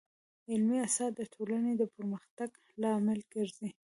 علمي اثار د ټولنې د پرمختګ لامل ګرځي.